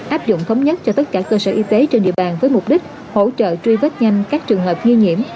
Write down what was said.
áp dụng thống nhất cho tất cả cơ sở y tế trên địa bàn với mục đích hỗ trợ truy vết nhanh các trường hợp nghi nhiễm